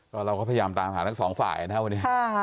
ก็เราก็พยายามตามหาทั้งสองฝ่ายนะครับวันนี้